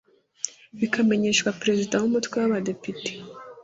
bikamenyeshwa perezida w umutwe w abadepite